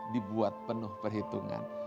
dibuat penuh perhitungan